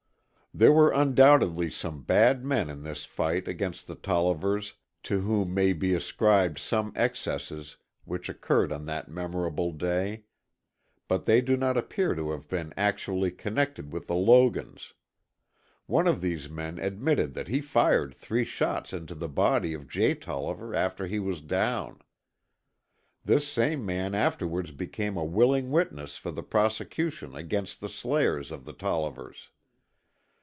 There were undoubtedly some bad men in this fight against the Tollivers to whom may be ascribed some excesses which occurred on that memorable day. But they do not appear to have been actually connected with the Logans. One of these men admitted that he fired three shots into the body of Jay Tolliver after he was down. This same man afterwards became a willing witness for the prosecution against the slayers of the Tollivers.